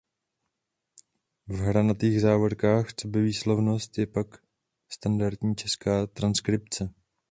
V hranatých závorkách coby výslovnost je pak pak standardní česká transkripce.